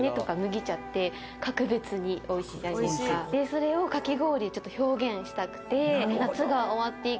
それをかき氷で表現したくて。